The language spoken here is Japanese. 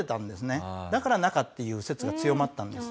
だから中っていう説が強まったんです。